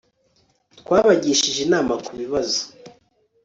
twabagishije inama kubibazo